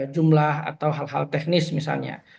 jumlah atau hal hal teknis misalnya